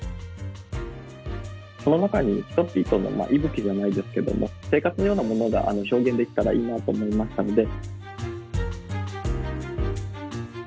その中に人々の息吹じゃないですけども生活のようなものが表現できたらいいなと思いましたので。